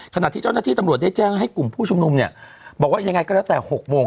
ขณะที่เจ้าหน้าที่ตำรวจได้แจ้งให้กลุ่มผู้ชุมนุมเนี่ยบอกว่ายังไงก็แล้วแต่๖โมง